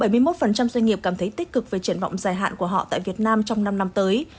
bảy mươi một doanh nghiệp cảm thấy tích cực về triển vọng dài hạn của họ tại việt nam trong năm năm tới